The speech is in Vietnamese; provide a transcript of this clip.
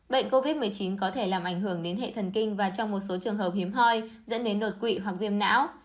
bệnh covid một mươi chín có thể làm ảnh hưởng đến hệ thần kinh và trong một số trường hợp hiếm hoi dẫn đến đột quỵ hoặc viêm não